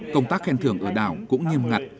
công tác khen thưởng ở đảo cũng nghiêm ngặt